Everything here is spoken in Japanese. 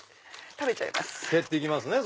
食べちゃいます。